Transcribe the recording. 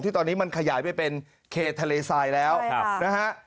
ที่ตอนนี้มันขยายไปเป็นเคนมผงทะเลทรายแล้วใช่ค่ะนะฮะ